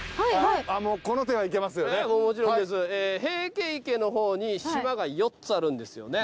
平家池の方に島が４つあるんですよね。